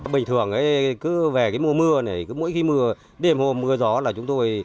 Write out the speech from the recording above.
bình thường cứ về mùa mưa này mỗi khi mưa đêm hôm mưa gió là chúng tôi